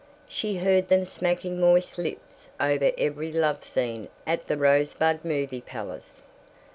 She heard them smacking moist lips over every love scene at the Rosebud Movie Palace.